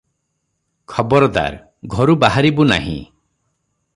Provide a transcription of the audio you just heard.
ଖବରଦାର! ଘରୁ ବାହାରିବୁ ନାହିଁ ।’